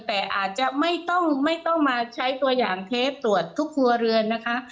แต่อาจจะไม่ต้องไม่ต้องมาใช้ตัวอย่างเทปตรวจทุกครัวเรือนนะคะ